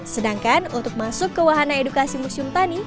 sedangkan untuk masuk ke wahana edukasi museum tani